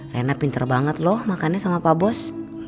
rena pinter banget loh makannya sama pak bos